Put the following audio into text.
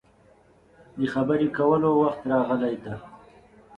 د دې خبرې کولو وخت راغلی دی.